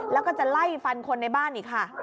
แล้วก็จะไล่ฟันคนในบ้านอีกค่ะ